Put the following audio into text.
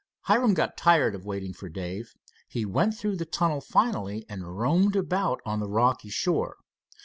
Hiram got tired of waiting for Dave. He went through the tunnel finally and roamed about on the rocky shore.